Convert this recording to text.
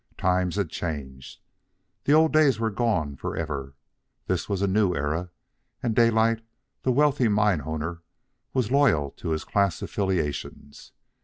Times had changed. The old days were gone forever. This was a new era, and Daylight, the wealthy mine owner, was loyal to his class affiliations.